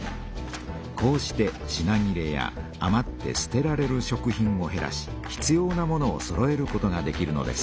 こうして品切れやあまってすてられる食品をへらし必要なものをそろえることができるのです。